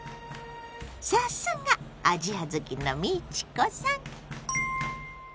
さすがアジア好きの美智子さん！